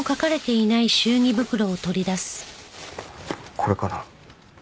これかな？